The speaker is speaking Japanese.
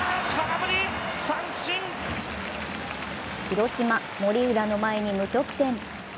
広島・森浦の前に無得点。